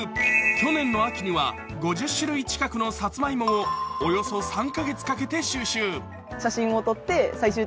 去年の秋には５０種類近くのさつまいもをおよそ３カ月かけて収集。